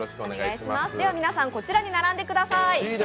では、皆さんこちらに並んでください。